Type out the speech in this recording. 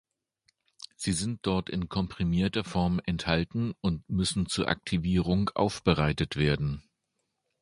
Sie sind dort in komprimierter Form enthalten und müssen zur Aktivierung aufbereitet werden.